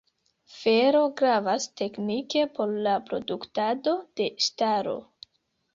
Fero gravas teknike por la produktado de ŝtalo.